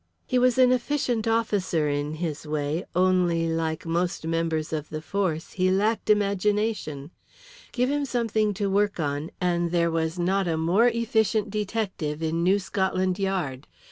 He was an efficient officer in his way, only, like most members of the force, he lacked imagination. Give him something to work on, and there was not a more efficient detective in New Scotland Yard.